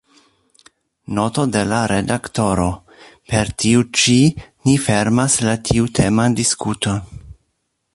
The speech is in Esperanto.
Noto de la redaktoro: Per tiu ĉi ni fermas la tiuteman diskuton.